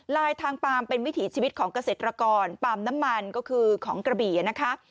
ลายทางปาล์มเป็นวิถีชีวิตของเกษตรกรปาล์มน้ำมันก็คือของกระบี่นะคะ